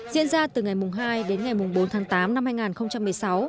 diễn ra từ ngày hai đến ngày bốn tháng tám năm hai nghìn một mươi sáu